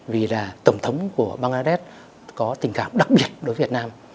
vì là tổng thống của bangladesh có tình cảm đặc biệt đối với việt nam